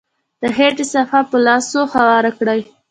د خټې صفحه په لاسو هواره کړئ.